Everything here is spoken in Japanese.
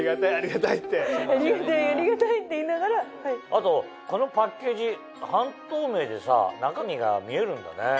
あとこのパッケージ半透明でさ中身が見えるんだね。